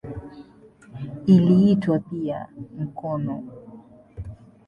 Iliitwa pia "mkono".